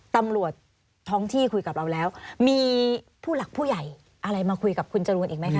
ตำรวจท้องที่คุยกับเราแล้วมีผู้หลักผู้ใหญ่อะไรมาคุยกับคุณจรูนอีกไหมคะ